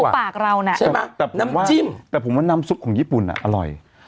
ปากเราน่ะใช่ไหมแบบน้ำจิ้มแต่ผมว่าน้ำซุปของญี่ปุ่นอ่ะอร่อย